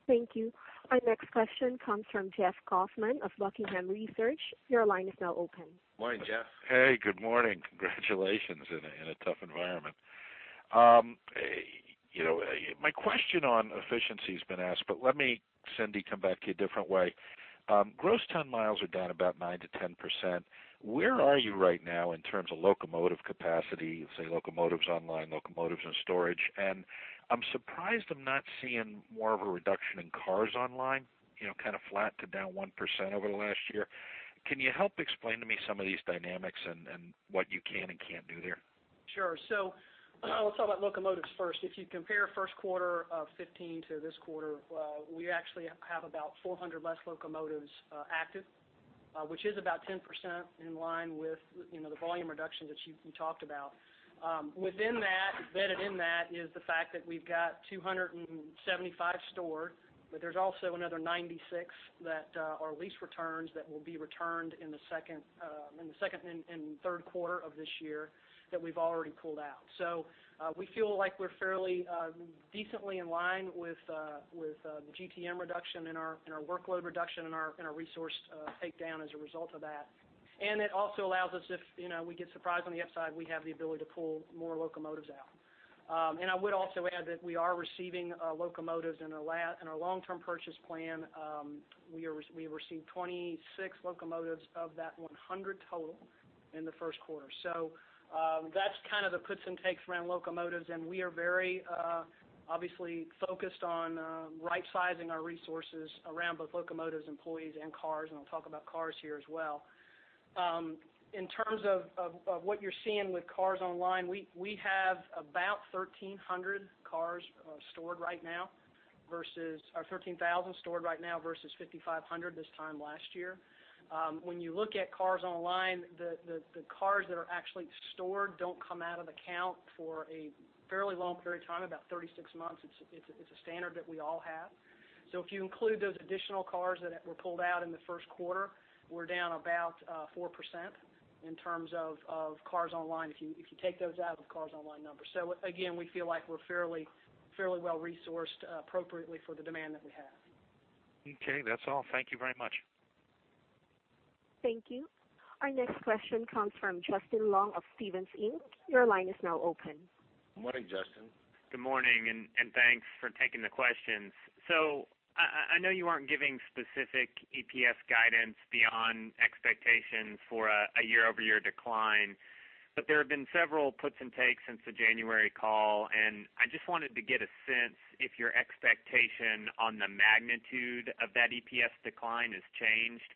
Thank you. Our next question comes from Jeff Kauffman of Buckingham Research. Your line is now open. Morning, Jeff. Hey, good morning. Congratulations in a tough environment. You know, my question on efficiency has been asked, but let me, Cindy, come back to you a different way. Gross ton miles are down about 9%-10%. Where are you right now in terms of locomotive capacity, say, locomotives online, locomotives in storage? I'm surprised I'm not seeing more of a reduction in cars online, you know, kind of flat to down 1% over the last year. Can you help explain to me some of these dynamics and what you can and can't do there? Sure. So I'll talk about locomotives first. If you compare first quarter of 2015 to this quarter, we actually have about 400 less locomotives, active, which is about 10% in line with, you know, the volume reduction that you talked about. Within that, embedded in that is the fact that we've got 275 stored, but there's also another 96 that are lease returns that will be returned in the second and third quarter of this year that we've already pulled out. So, we feel like we're fairly decently in line with the GTM reduction in our workload reduction, in our resource takedown as a result of that. It also allows us, if, you know, we get surprised on the upside, we have the ability to pull more locomotives out. I would also add that we are receiving locomotives in our long-term purchase plan. We received 26 locomotives of that 100 total in the first quarter. So, that's kind of the puts and takes around locomotives, and we are very obviously focused on right-sizing our resources around both locomotives, employees, and cars, and I'll talk about cars here as well. In terms of what you're seeing with cars online, we have about 13,000 cars stored right now versus 5,500 this time last year. When you look at cars online, the cars that are actually stored don't come out of the count for a fairly long period of time, about 36 months. It's a standard that we all have. So if you include those additional cars that were pulled out in the first quarter, we're down about 4% in terms of cars online, if you take those out of cars online numbers. So again, we feel like we're fairly well resourced appropriately for the demand that we have. Okay, that's all. Thank you very much. Thank you. Our next question comes from Justin Long of Stephens Inc. Your line is now open. Good morning, Justin. Good morning, and thanks for taking the questions. So I know you aren't giving specific EPS guidance beyond expectations for a year-over-year decline, but there have been several puts and takes since the January call, and I just wanted to get a sense if your expectation on the magnitude of that EPS decline has changed.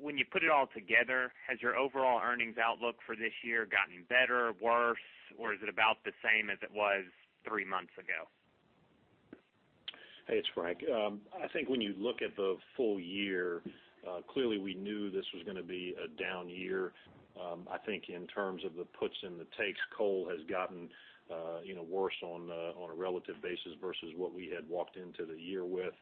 When you put it all together, has your overall earnings outlook for this year gotten better or worse, or is it about the same as it was three months ago? Hey, it's Frank. I think when you look at the full year, clearly we knew this was gonna be a down year. I think in terms of the puts and the takes, coal has gotten, you know, worse on a relative basis versus what we had walked into the year with.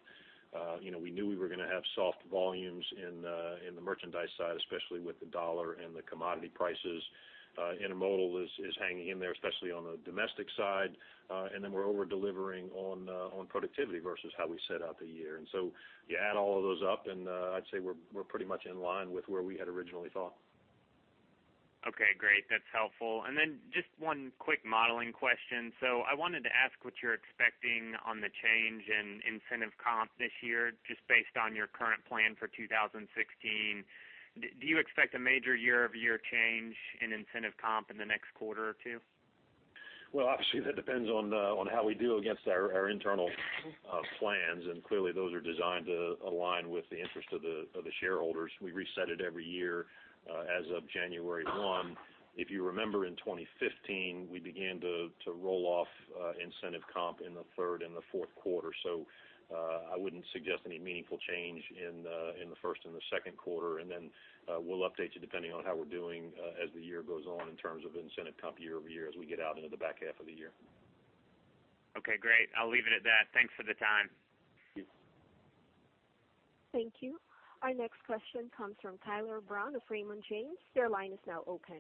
You know, we knew we were gonna have soft volumes in the merchandise side, especially with the dollar and the commodity prices. Intermodal is hanging in there, especially on the domestic side, and then we're over-delivering on productivity versus how we set out the year. And so you add all of those up, and I'd say we're pretty much in line with where we had originally thought. Okay, great. That's helpful. And then just one quick modeling question. So I wanted to ask what you're expecting on the change in incentive comp this year, just based on your current plan for 2016. Do you expect a major year-over-year change in incentive comp in the next quarter or two? Well, obviously, that depends on, on how we do against our, our internal, plans, and clearly, those are designed to align with the interest of the, of the shareholders. We reset it every year, as of January 1. If you remember, in 2015, we began to, to roll off, incentive comp in the third and the fourth quarter. So, I wouldn't suggest any meaningful change in, in the first and the second quarter, and then, we'll update you, depending on how we're doing, as the year goes on in terms of incentive comp year-over-year, as we get out into the back half of the year. Okay, great. I'll leave it at that. Thanks for the time. Thanks. Thank you. Our next question comes from Tyler Brown of Raymond James. Your line is now open.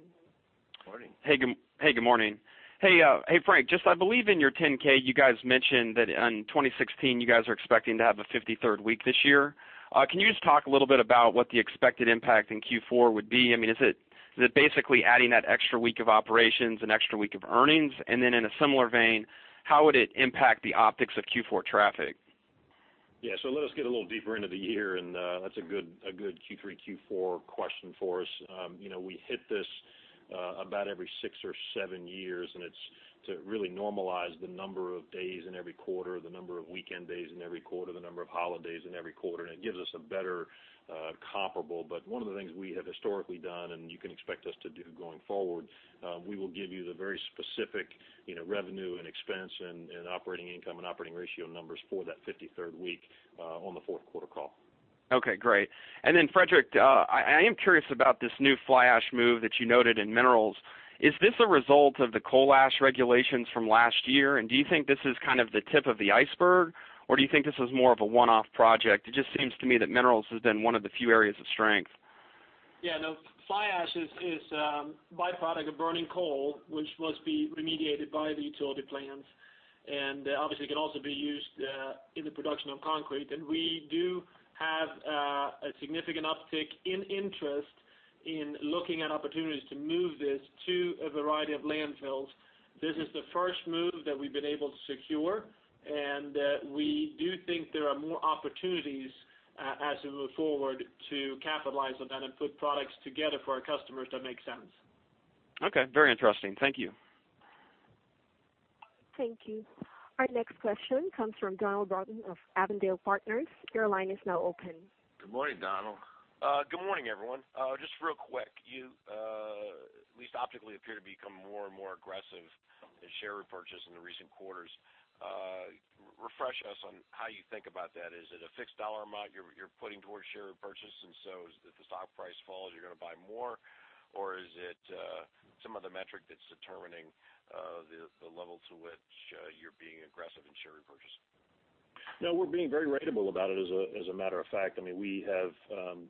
Morning. Hey, good morning. Hey, hey, Frank, just I believe in your 10-K, you guys mentioned that in 2016, you guys are expecting to have a 53rd week this year. Can you just talk a little bit about what the expected impact in Q4 would be? I mean, is it, is it basically adding that extra week of operations, an extra week of earnings? And then in a similar vein, how would it impact the optics of Q4 traffic? Yeah, so let us get a little deeper into the year, and, that's a good, a good Q3, Q4 question for us. You know, we hit this, about every six or seven years, and it's to really normalize the number of days in every quarter, the number of weekend days in every quarter, the number of holidays in every quarter, and it gives us a better, comparable. But one of the things we have historically done and you can expect us to do going forward, we will give you the very specific, you know, revenue and expense and, and operating income and operating ratio numbers for that 53rd week, on the fourth quarter call. Okay, great. And then, Fredrik, I am curious about this new fly ash move that you noted in minerals. Is this a result of the coal ash regulations from last year, and do you think this is kind of the tip of the iceberg, or do you think this is more of a one-off project? It just seems to me that minerals has been one of the few areas of strength. Yeah, no. Fly ash is a byproduct of burning coal, which must be remediated by the utility plants, and obviously, it can also be used in the production of concrete. We do have a significant uptick in interest in looking at opportunities to move this to a variety of landfills. This is the first move that we've been able to secure, and we do think there are more opportunities as we move forward, to capitalize on that and put products together for our customers that make sense. Okay, very interesting. Thank you. Thank you. Our next question comes from Donald Broughton of Avondale Partners. Your line is now open. Good morning, Donald. Good morning, everyone. Just real quick, you at least optically appear to become more and more aggressive in share repurchase in the recent quarters. Refresh us on how you think about that. Is it a fixed dollar amount you're putting towards share repurchase? And so if the stock price falls, you're gonna buy more, or is it some other metric that's determining the level to which you're being aggressive in share repurchase? No, we're being very ratable about it, as a, as a matter of fact. I mean, we have,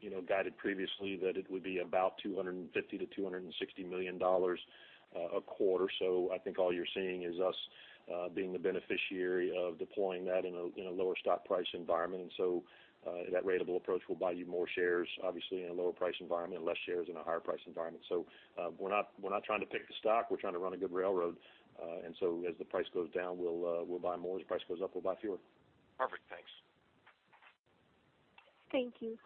you know, guided previously that it would be about $250 million-$260 million a quarter. So I think all you're seeing is us, being the beneficiary of deploying that in a, in a lower stock price environment. And so, that ratable approach will buy you more shares, obviously, in a lower price environment, and less shares in a higher price environment. So, we're not, we're not trying to pick the stock, we're trying to run a good railroad. And so as the price goes down, we'll, we'll buy more; as the price goes up, we'll buy fewer. Perfect. Thanks. Thank you.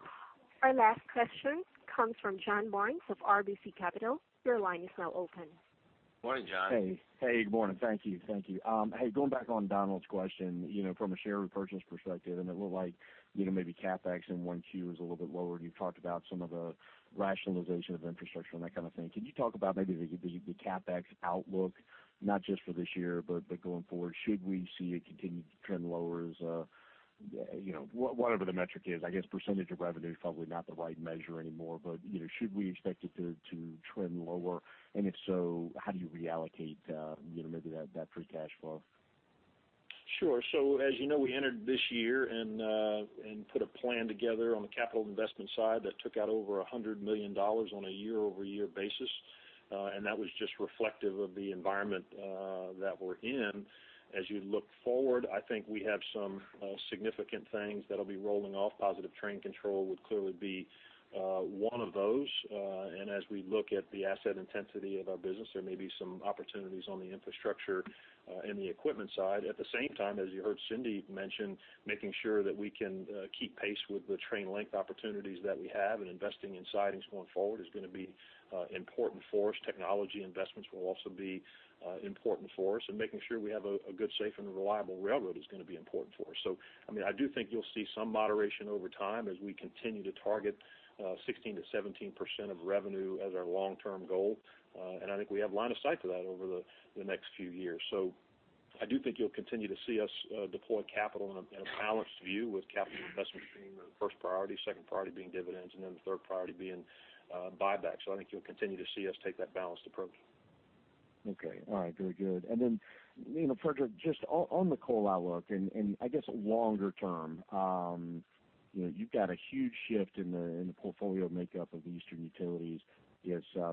Our last question comes from John Barnes of RBC Capital. Your line is now open. Morning, John. Hey. Hey, good morning. Thank you, thank you. Hey, going back on Donald's question, you know, from a share repurchase perspective, and it looked like, you know, maybe CapEx in 1Q is a little bit lower, and you've talked about some of the rationalization of infrastructure and that kind of thing. Can you talk about maybe the CapEx outlook, not just for this year, but going forward? Should we see a continued trend lower as, you know, whatever the metric is, I guess percentage of revenue is probably not the right measure anymore, but, you know, should we expect it to trend lower? And if so, how do you reallocate, you know, maybe that free cash flow? Sure. As you know, we entered this year and put a plan together on the capital investment side that took out over $100 million on a year-over-year basis, and that was just reflective of the environment that we're in. As you look forward, I think we have some significant things that'll be rolling off. Positive Train Control would clearly be one of those, and as we look at the asset intensity of our business, there may be some opportunities on the infrastructure and the equipment side. At the same time, as you heard Cindy mention, making sure that we can keep pace with the train length opportunities that we have and investing in sidings going forward is gonna be important for us. Technology investments will also be important for us, and making sure we have a good, safe, and reliable railroad is gonna be important for us. So, I mean, I do think you'll see some moderation over time as we continue to target 16%-17% of revenue as our long-term goal, and I think we have line of sight to that over the next few years. So I do think you'll continue to see us deploy capital in a balanced view with capital investment stream as first priority, second priority being dividends, and then the third priority being buybacks. So I think you'll continue to see us take that balanced approach. Okay. All right. Very good. And then, you know, Fredrik, just on the coal outlook and I guess longer term, you know, you've got a huge shift in the portfolio makeup of Eastern Utilities.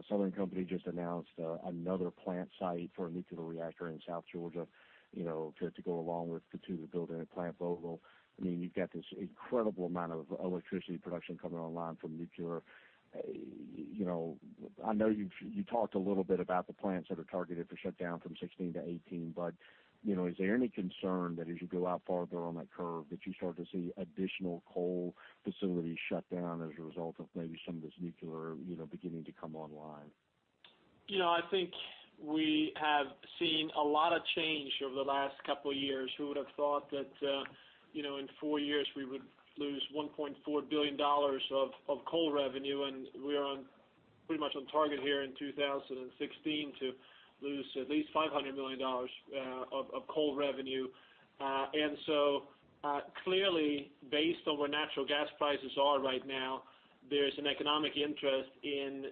Southern Company just announced another plant site for a nuclear reactor in South Georgia, you know, to go along with continue building a Plant Vogtle. I mean, you've got this incredible amount of electricity production coming online from nuclear. You know, I know you've talked a little bit about the plants that are targeted to shut down from 2016 to 2018, but you know, is there any concern that as you go out farther on that curve, that you start to see additional coal facilities shut down as a result of maybe some of this nuclear, you know, beginning to come online? You know, I think we have seen a lot of change over the last couple of years. Who would have thought that, you know, in four years we would lose $1.4 billion of coal revenue, and we're pretty much on target here in 2016 to lose at least $500 million of coal revenue. And so, clearly, based on where natural gas prices are right now, there's an economic interest in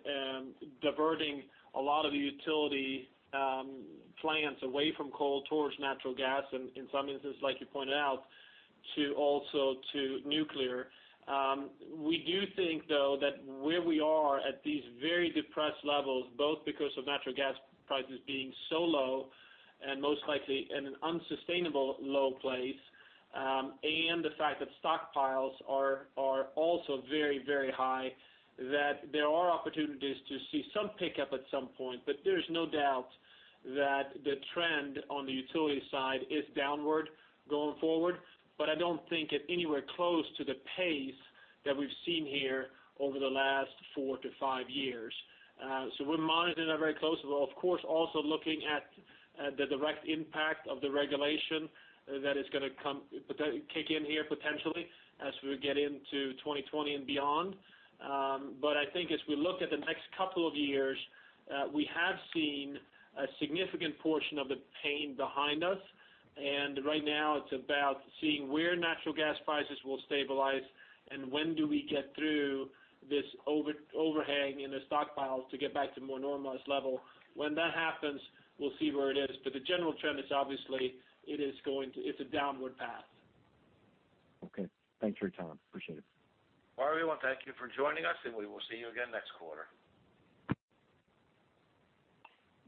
diverting a lot of the utility plants away from coal towards natural gas and in some instances, like you pointed out, to also to nuclear. We do think, though, that where we are at these very depressed levels, both because of natural gas prices being so low and most likely at an unsustainable low place, and the fact that stockpiles are also very, very high, that there are opportunities to see some pickup at some point. But there's no doubt that the trend on the utility side is downward going forward, but I don't think at anywhere close to the pace that we've seen here over the last four to five years. So we're monitoring that very closely. We're, of course, also looking at the direct impact of the regulation that is gonna come potentially kick in here, as we get into 2020 and beyond. But I think as we look at the next couple of years, we have seen a significant portion of the pain behind us, and right now, it's about seeing where natural gas prices will stabilize and when do we get through this overhang in the stockpiles to get back to a more normalized level. When that happens, we'll see where it is, but the general trend is obviously it is going to. It's a downward path. Okay. Thanks for your time. Appreciate it. All right, everyone, thank you for joining us, and we will see you again next quarter.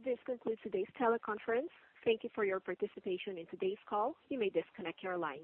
This concludes today's teleconference. Thank you for your participation in today's call. You may disconnect your lines.